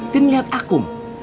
ten lihat aku